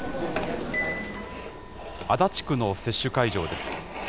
足立区の接種会場です。